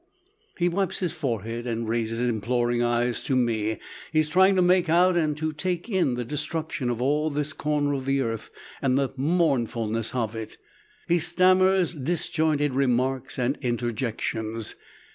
He wipes his forehead and raises imploring eyes to me. He is trying to make out and take in the destruction of all this corner of the earth, and the mournfulness of it. He stammers disjointed remarks and interjections.